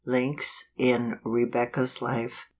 Links In Rebecca's Life.